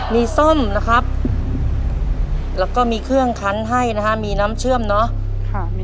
มีส้มนะครับแล้วก็มีเครื่องคันให้นะฮะมีน้ำเชื่อมเนาะ